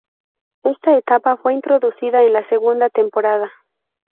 Esta etapa fue introducida en la segunda temporada.